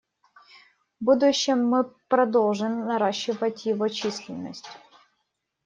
В будущем мы продолжим наращивать его численность.